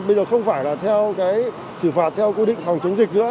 bây giờ không phải là theo cái xử phạt theo quy định phòng chống dịch nữa